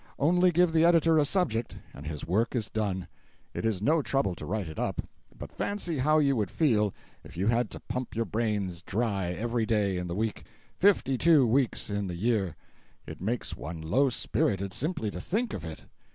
Only give the editor a subject, and his work is done—it is no trouble to write it up; but fancy how you would feel if you had to pump your brains dry every day in the week, fifty two weeks in the year. It makes one low spirited simply to think of it.